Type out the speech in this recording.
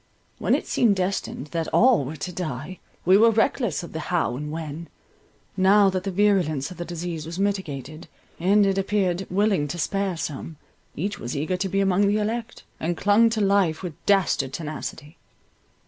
When it seemed destined that all were to die, we were reckless of the how and when—now that the virulence of the disease was mitigated, and it appeared willing to spare some, each was eager to be among the elect, and clung to life with dastard tenacity.